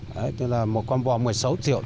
đấy tức là một con bò một mươi sáu triệu